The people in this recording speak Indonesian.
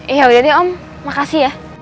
eh yaudah deh om makasih ya